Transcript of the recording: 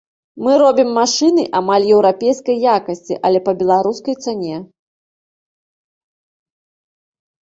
Мы робім машыны амаль еўрапейскай якасці, але па беларускай цане.